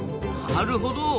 なるほど。